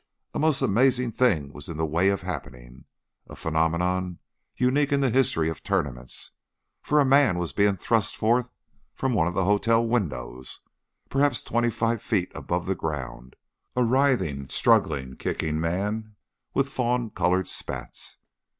A most amazing thing was in the way of happening, a phenomenon unique in the history of tournaments, for a man was being thrust forth from one of the hotel windows, perhaps twenty five feet above the ground a writhing, struggling, kicking man with fawn colored spats.